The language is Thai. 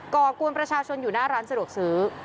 ก่อกวนประชาชนอยู่หน้าร้านสะดวกซื้อ